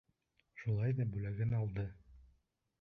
Шулай ҙа бүләген алды.